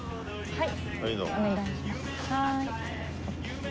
はい。